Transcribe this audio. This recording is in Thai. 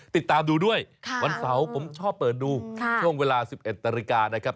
ติดตามดูด้วยวันเสาร์ผมชอบเปิดดูช่วงเวลา๑๑นาฬิกานะครับ